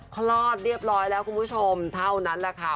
คลอดเรียบร้อยแล้วคุณผู้ชมเท่านั้นแหละค่ะ